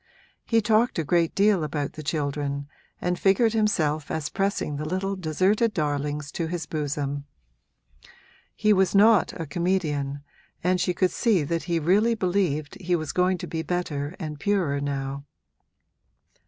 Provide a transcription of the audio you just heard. He talked a great deal about the children and figured himself as pressing the little deserted darlings to his bosom. He was not a comedian, and she could see that he really believed he was going to be better and purer now.